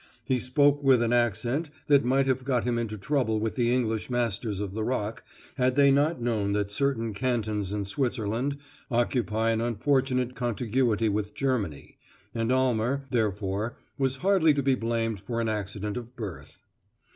He spoke with an accent that might have got him into trouble with the English masters of the Rock had they not known that certain cantons in Switzerland occupy an unfortunate contiguity with Germany, and Almer, therefore, was hardly to be blamed for an accident of birth.